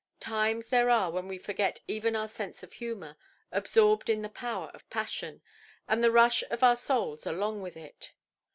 Times there are when we forget even our sense of humour, absorbed in the power of passion, and the rush of our souls along with it.